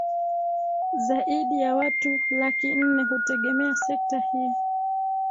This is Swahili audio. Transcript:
Zaidi ya watu laki nne hutegemea sekta hii